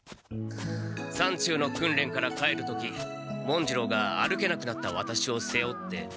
山中の訓練から帰る時文次郎が歩けなくなったワタシを背負って。